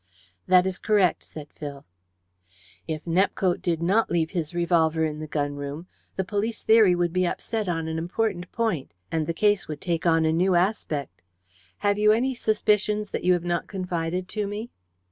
"That is correct," said Phil. "If Nepcote did not leave his revolver in the gun room the police theory would be upset on an important point, and the case would take on a new aspect. Have you any suspicions that you have not confided to me?"